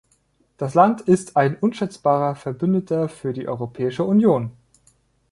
Das Land ist ein unschätzbarer Verbündeter für die Europäische Union.